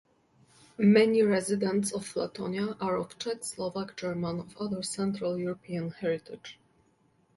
Many residents of Flatonia are of Czech, Slovak, German, or other Central European heritage.